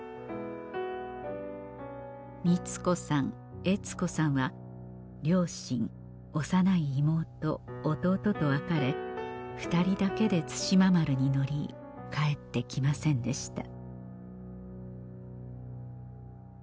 美津子さん悦子さんは両親幼い妹弟と別れ２人だけで対馬丸に乗り帰って来ませんでした